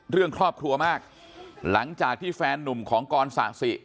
เรื่องครอบครัวมากหลังจากที่แฟนนุ่มของกรสะสิ